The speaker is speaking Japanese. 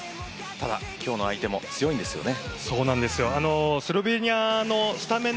ただ、今日の相手も強いんですよね。